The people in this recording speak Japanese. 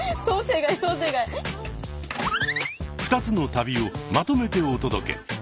２つの旅をまとめてお届け。